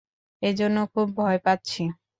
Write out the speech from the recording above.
এজন্য খুব ভয় পাচ্ছি।